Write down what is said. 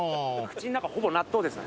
口の中ほぼ納豆です。